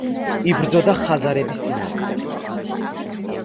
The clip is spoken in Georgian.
იბრძოდა ხაზარების წინააღმდეგ.